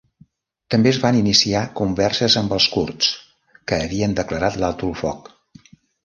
També es van iniciar converses amb els kurds que havien declarat l'alto el foc.